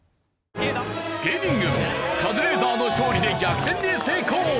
芸人軍カズレーザーの勝利で逆転に成功。